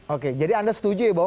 oke jadi anda setuju ya bahwa